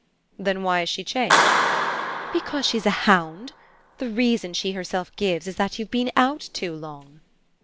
"Then why has she changed?" "Because she's a hound. The reason she herself gives is that you've been out too long."